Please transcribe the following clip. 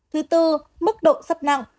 thứ tư mức độ sắp nặng